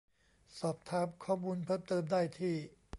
สอบถามข้อมูลเพิ่มเติมได้ที่